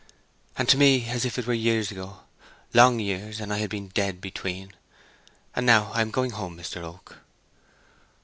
"And to me as if it were years ago—long years, and I had been dead between. And now I am going home, Mr. Oak."